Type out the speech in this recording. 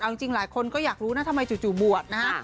เอาจริงหลายคนก็อยากรู้นะทำไมจู่บวชนะฮะ